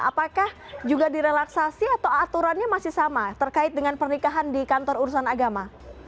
apakah juga direlaksasi atau aturannya masih sama terkait dengan pernikahan di kantor urusan agama